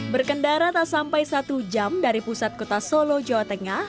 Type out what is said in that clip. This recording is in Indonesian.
berkendara tak sampai satu jam dari pusat kota solo jawa tengah